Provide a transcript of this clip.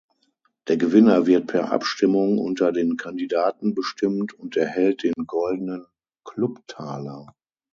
Der Gewinner wird per Abstimmung unter den Kandidaten bestimmt und erhält den "goldenen Clubtaler".